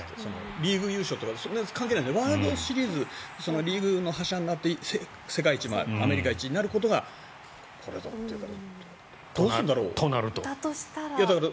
リーグ優勝とか関係ないワールドシリーズリーグの覇者になって世界一、アメリカ一になることがこれだっていうことでだとしたら。